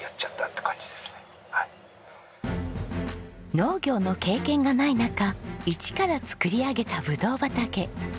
農業の経験がない中一から作り上げたブドウ畑。